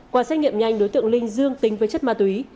qua xét nghiệm nhanh đối tượng linh dương tính với chất ma túy